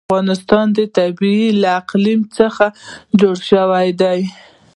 د افغانستان طبیعت له اقلیم څخه جوړ شوی دی.